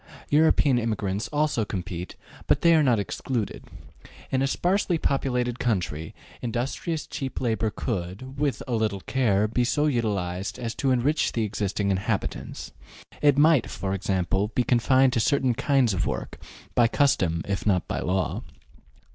European immigrants also compete, but they are not excluded. In a sparsely populated country, industrious cheap labor could, with a little care, be so utilized as to enrich the existing inhabitants; it might, for example, be confined to certain kinds of work, by custom if not by law.